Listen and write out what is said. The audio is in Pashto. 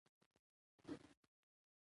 فرهنګ د انسان د ژوند رنګونه بشپړوي.